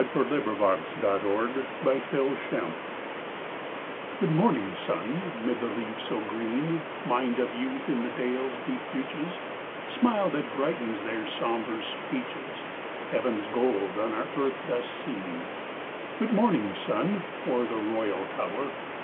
THE MAIDENS' SONG (FROM HALTE HULDA) Good morning, sun, 'mid the leaves so green Mind of youth in the dales' deep reaches, Smile that brightens their somber speeches, Heaven's gold on our earth dust seen! Good morning, sun, o'er the royal tower!